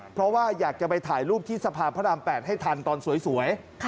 เพราะว่าอยากจะไปถ่ายรูปที่สภาพพระราม๘ให้ทันตอนสวย